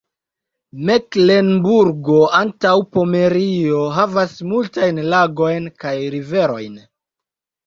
Meklenburgo-Antaŭpomerio havas multajn lagojn kaj riverojn.